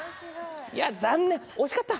いや残念惜しかった。